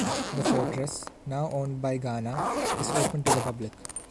The fortress, now owned by Ghana, is open to the public.